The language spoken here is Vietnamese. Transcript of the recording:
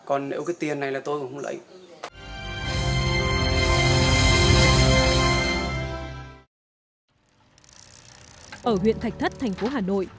ở huyện thạch thất thành phố hà nội